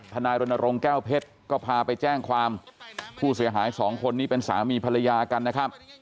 นายรณรงค์แก้วเพชรก็พาไปแจ้งความผู้เสียหายสองคนนี้เป็นสามีภรรยากันนะครับ